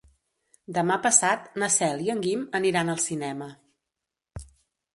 Demà passat na Cel i en Guim aniran al cinema.